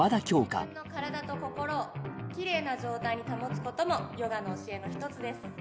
自分の体と心をきれいな状態に保つこともヨガの教えの一つです